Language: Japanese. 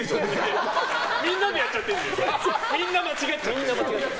みんなで間違っちゃってる。